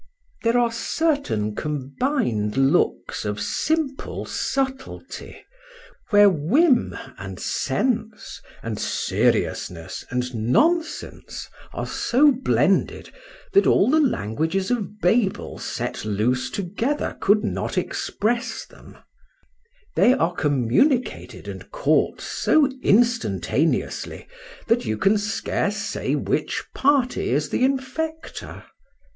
There are certain combined looks of simple subtlety,—where whim, and sense, and seriousness, and nonsense, are so blended, that all the languages of Babel set loose together, could not express them;—they are communicated and caught so instantaneously, that you can scarce say which party is the infector.